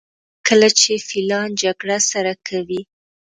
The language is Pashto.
کله چې فیلان جګړه سره کوي.